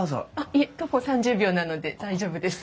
いえ徒歩３０秒なので大丈夫です。